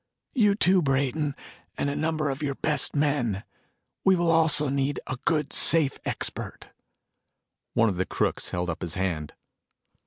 You, too, Brayton, and a number of your best men. We will also need a good safe expert." One of the crooks held up his hand.